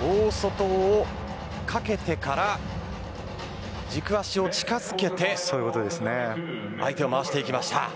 大外をかけてから軸足を近づけて相手を回していきました。